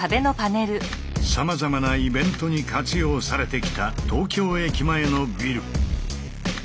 さまざまなイベントに活用されてきた東京駅前のビル。